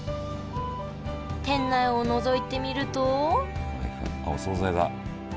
店内をのぞいてみるとあっお総菜だ。